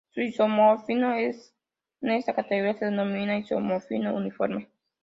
Un isomorfismo en esta categoría se denomina isomorfismo uniforme.